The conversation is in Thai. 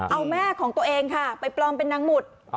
เอาแม่ของตัวเองค่ะไปปลอมเป็นนางหมุด